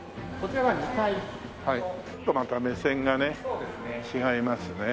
ちょっとまた目線がね違いますね。